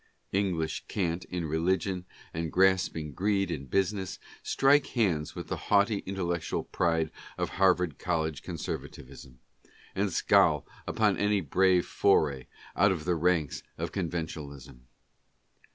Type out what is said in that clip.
English cant in religion, and grasping greed in business, strike hands with the haughty intellectual pride of Harvard College conservatism, and scowl upon any brave foray KENNED Y— MORSE. 59 out of the ranks of conventionalism.